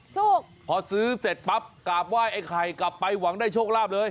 ถูกพอซื้อเสร็จปั๊บกราบไหว้ไอ้ไข่กลับไปหวังได้โชคลาภเลย